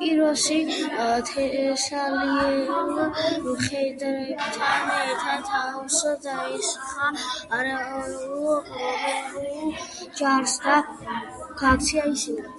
პიროსი თესალიელ მხედრებთან ერთად თავს დაესხა არეულ რომაულ ჯარს და გააქცია ისინი.